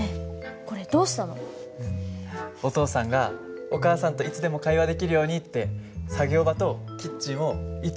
お父さんがお母さんといつでも会話できるようにって作業場とキッチンを糸